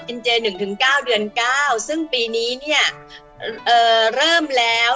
กินเจน๑๙เดือน๙ซึ่งปีนี้เริ่มแล้ว